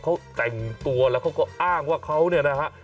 เขาแต่งตัวแล้วเขาก็อ้างว่าเขาเนี่ยนะฮะ